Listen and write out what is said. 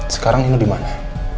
sekarang nino dimana